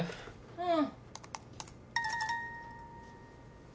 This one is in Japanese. うん。